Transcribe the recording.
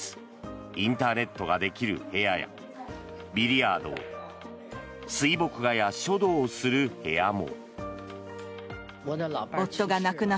インターネットができる部屋やビリヤード水墨画や書道をする部屋も。